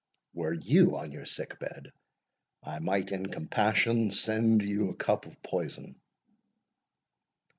Were YOU on your sick bed, I might, in compassion, send you a cup of poison."